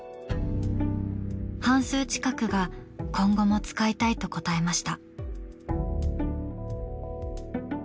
半数近くが今後も使いたいと答えました。